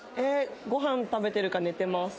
ごはん食べてるか寝てます